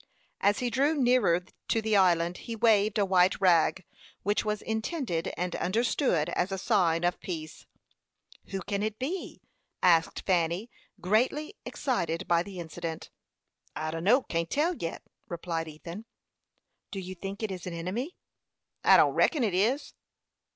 As he drew nearer to the island, he waved a white rag, which was intended and understood as a sign of peace. "Who can it be?" asked Fanny, greatly excited by the incident. "I dunno; can't tell yet," replied Ethan. "Do you think it is an enemy?" "I don't reckon it is."